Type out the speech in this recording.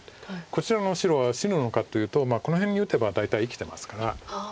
こちらの白は死ぬのかというとこの辺に打てば大体生きてますから。